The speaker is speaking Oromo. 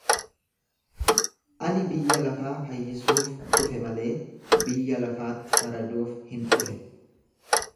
Ani biyya lafaa fayyisuuf dhufe malee, biyya lafaatti faraduuf hin dhufe.